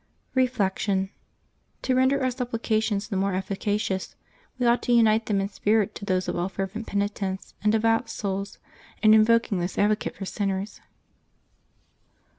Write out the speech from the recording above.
Reflection. — To render our supplications the more efii cacious, we ought to unite them in spirit to those of all fervent penitents and devout souls, in invoking this ad vocate for sinners.